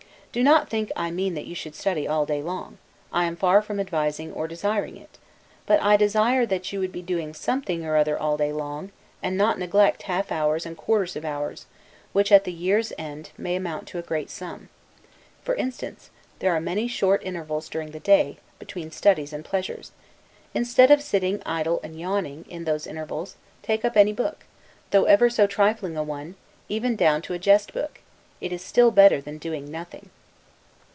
Do not think I mean that you should study all day long; I am far from advising or desiring it: but I desire that you would be doing something or other all day long; and not neglect half hours and quarters of hours, which, at the year's end, amount to a great sum. For instance, there are many short intervals during the day, between studies and pleasures: instead of sitting idle and yawning, in those intervals, take up any book, though ever so trifling a one, even down to a jest book; it is still better than doing nothing.